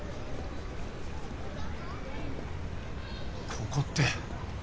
ここって。